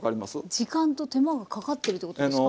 時間と手間がかかってるってことですか？